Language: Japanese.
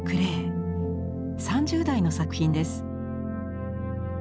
３０代の作品です。